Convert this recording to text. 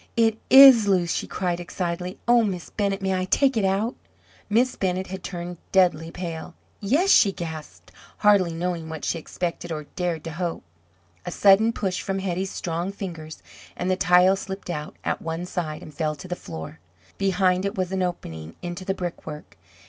"It IS loose!" she cried excitedly. "Oh, Miss Bennett, may I take it out?" Miss Bennett had turned deadly pale. "Yes," she gasped, hardly knowing what she expected, or dared to hope. A sudden push from Hetty's strong fingers, and the tile slipped out at one side and fell to the floor. Behind it was an opening into the brickwork.